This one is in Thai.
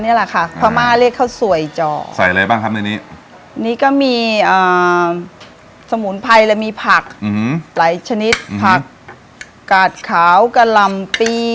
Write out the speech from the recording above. นี่ล่ะค่ะพม่าเรียกเข้าสวย